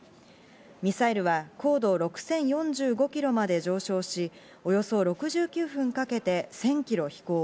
ミサイルは高度６０４５キロまで上昇し、およそ６９分かけて、１０００キロ飛行。